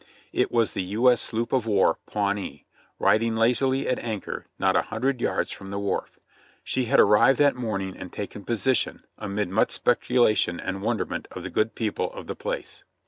It was the U. S. Sloop of War Paivnee, riding lazily at anchor not a hundred yards from the wharf; she had arrived that morning and taken position, amid much speculation and wonderment of the good people of the place.